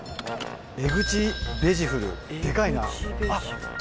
エグチベジフルデカいなあっ！